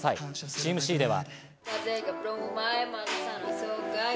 チームＣでは。